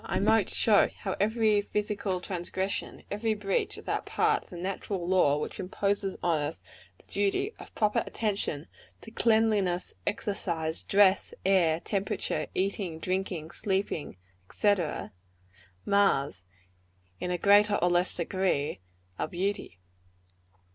I might show how every physical transgression every breach of that part of the natural law which imposes on us the duty of proper attention to cleanliness, exercise, dress, air, temperature, eating, drinking, sleeping, &c. mars, in a greater or less degree, our beauty.